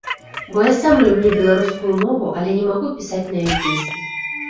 Бо я сам люблю беларускую мову, але не магу пісаць на ёй песні.